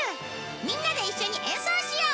みんなで一緒に演奏しよう！